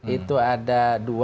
itu ada dua